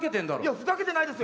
「ふざけてないよ！」。